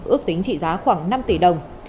ước tính trị giá khoảng năm tỷ đồng